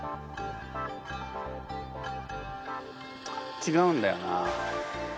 ちがうんだよな。